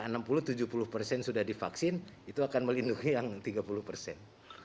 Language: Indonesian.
vaksin yang tiga puluh persen sudah divaksin itu akan melindungi yang tiga puluh persen